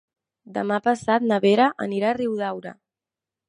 Demà passat na Vera anirà a Riudaura.